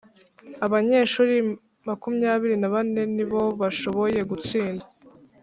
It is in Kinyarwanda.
abanyeshuri makumyabiri na bane ni bo bashoboye gutsinda,